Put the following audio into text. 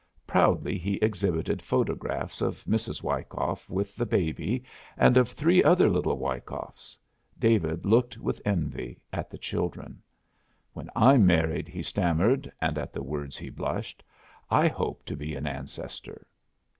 Proudly he exhibited photographs of Mrs. Wyckoff with the baby and of three other little Wyckoffs. David looked with envy at the children. "When I'm married," he stammered, and at the words he blushed, "I hope to be an ancestor."